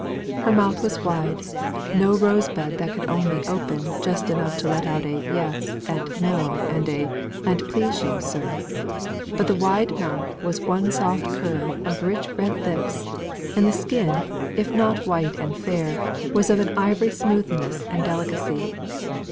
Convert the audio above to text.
Her mouth was wide; no rosebud that could only open just enough to let out a "yes" and "no," and "an't please you, sir." But the wide mouth was one soft curve of rich red lips; and the skin, if not white and fair, was of an ivory smoothness and delicacy.